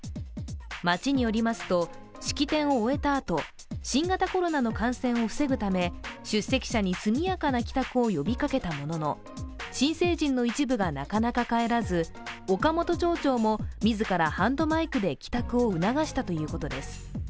町によりますと、式典を終えた後、新型コロナの感染を防ぐため、出席者に速やかな帰宅を呼びかけたものの、新成人の一部がなかなか帰らず岡本町長も自らハンドマイクで帰宅を促したということです。